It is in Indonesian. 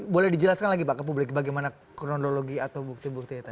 boleh dijelaskan lagi pak ke publik bagaimana kronologi atau bukti buktinya tadi